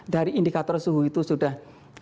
dari indikator suhu itu sudah